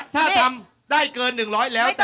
ถ้าทำได้เกิน๑๐๐แล้วแต่